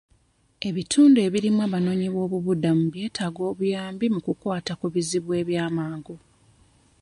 Ebitundu ebirimu abanoonyi b'obubuddamu byetaaga obuyambi mu kukwata ku bizibu ebyamangu.